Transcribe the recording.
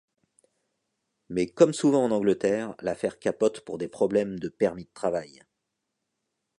Mais comme souvent en Angleterre l'affaire capote pour des problèmes de permis de travail.